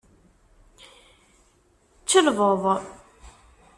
Čelbeḍ.